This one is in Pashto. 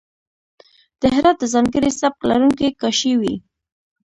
د هرات د ځانګړی سبک لرونکی کاشي وې.